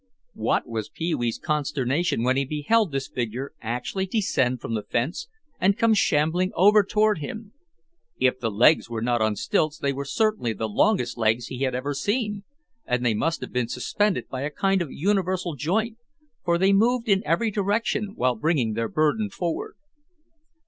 What was Pee wee's consternation when he beheld this figure actually descend from the fence and come shambling over toward him. If the legs were not on stilts they were certainly the longest legs he had ever seen, and they must have been suspended by a kind of universal joint for they moved in every direction while bringing their burden forward.